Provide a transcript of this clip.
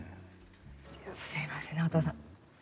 すいません直太朗さん